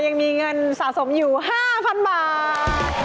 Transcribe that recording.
ยังมีเงินสะสมอยู่๕๐๐๐บาท